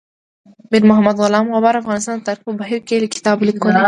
میر محمد غلام غبار افغانستان د تاریخ په بهیر کې کتاب لیکوال دی.